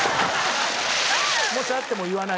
もし会っても言わない。